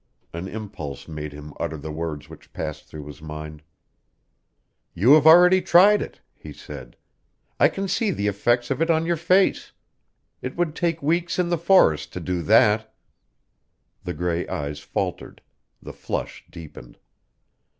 An impulse made him utter the words which passed through his mind. "You have already tried it," he said. "I can see the effects of it in your face. It would take weeks in the forests to do that." The gray eyes faltered; the flush deepened.